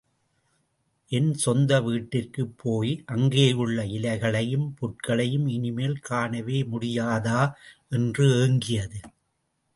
என் சொந்த வீட்டிற்குப் போய் அங்கேயுள்ள இலைகளையும், புற்களையும் இனிமேல் காணவே முடியாதா? என்று ஏங்கியது.